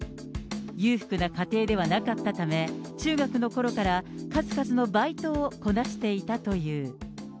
裕福な家庭ではなかったため、中学のころから数々のバイトをこなしていたという。